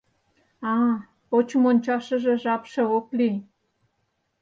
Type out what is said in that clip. — А-а, почым ончашыже жапше ок лий!